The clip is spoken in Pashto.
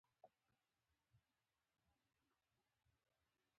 پسه د نجونو د پرمختګ لپاره ښه فرصتونه لري.